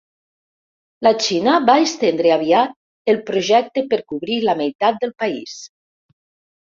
La Xina va estendre aviat el projecte per cobrir la meitat del país.